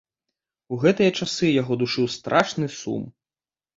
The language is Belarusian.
У гэтыя часы яго душыў страшны сум.